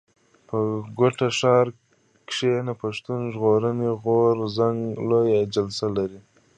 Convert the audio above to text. په کوټه ښار کښي پښتون ژغورني غورځنګ لويه جلسه لري.